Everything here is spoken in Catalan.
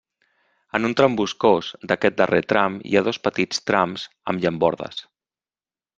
En un tram boscós d'aquest darrer tram hi ha dos petits trams amb llambordes.